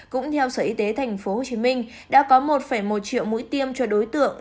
cũng theo sở y tế tp hcm đã có một một triệu mũi tiêm cho đối tượng